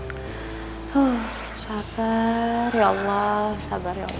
sabar ya allah sabar ya allah